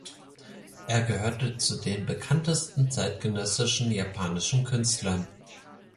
Er gehörte zu den bekanntesten zeitgenössischen japanischen Künstlern.